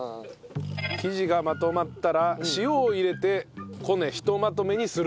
生地がまとまったら塩を入れてこねひとまとめにする。